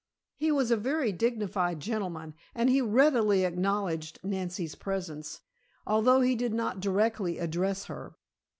He was a very dignified gentleman, and he readily acknowledged Nancy's presence, although he did not directly address her.